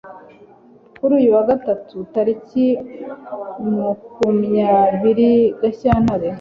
Kuri uyu wa Gatatu tariki makumya biri Gashyantare